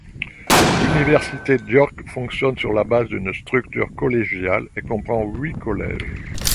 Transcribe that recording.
L'université d’York fonctionne sur la base d'une structure collégiale, et comprend huit collèges.